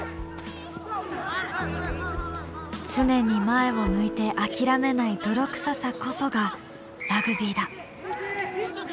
常に前を向いて諦めない泥臭さこそがラグビーだ。